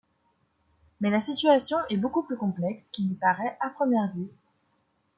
Mais la situation est beaucoup plus complexe qu'il n'y paraît à première vue.